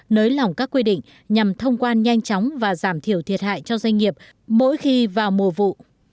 nới lỏng các quy định nhằm thông quan nhanh chóng và giảm thiểu thiệt hại cho doanh nghiệp mỗi khi vào mùa vụ